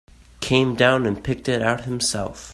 Came down and picked it out himself.